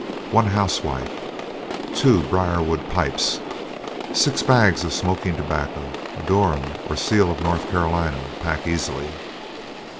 One housewife. Two briarwood pipes. Six bags of smoking tobacco; Durham or Seal of North Carolina pack easily.